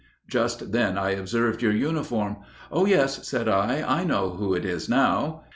Just then I observed your uniform. 'Oh, yes,' said I; 'I know who it is now.'